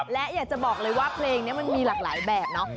และอยากจะบอกเลยว่าเพลงนี้มันมีหลากหลายแบบเนาะ